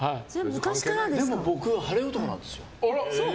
でも、僕は晴れ男なんですよ。